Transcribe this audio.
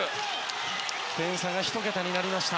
点差が１桁になりました。